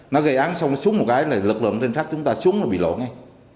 nó gây án xong xuống một cái là lực lượng trinh sát chúng ta xuống là bị lộ ngay